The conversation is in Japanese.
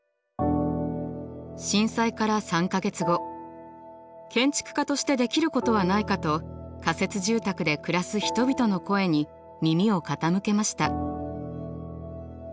震災から３か月後建築家としてできることはないかと仮設住宅で暮らす人々の声に耳を傾けました。